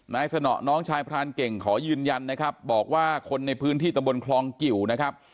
สนอน้องชายพรานเก่งขอยืนยันนะครับบอกว่าคนในพื้นที่ตะบนคลองกิวนะครับ